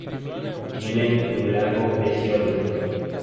Tienen un largo peciolo.